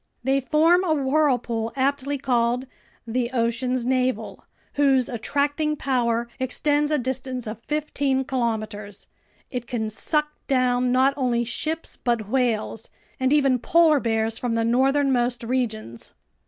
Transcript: They form a whirlpool aptly called "the ocean's navel," whose attracting power extends a distance of fifteen kilometers. It can suck down not only ships but whales, and even polar bears from the northernmost regions.